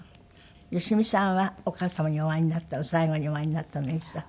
良美さんはお母様にお会いになったの最後にお会いになったのはいつだった？